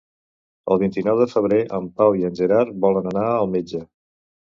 El vint-i-nou de febrer en Pau i en Gerard volen anar al metge.